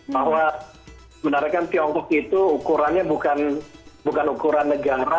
bahwa sebenarnya kan tiongkok itu ukurannya bukan ukuran negara